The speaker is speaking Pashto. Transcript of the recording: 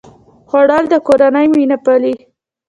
خوړل د کورنۍ مینه پالي